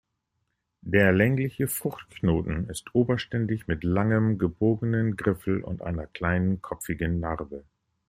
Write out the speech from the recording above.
Der längliche Fruchtknoten ist oberständig mit langem, gebogenen Griffel und kleiner kopfiger Narbe.